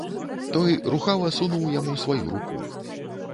Той рухава сунуў яму сваю руку.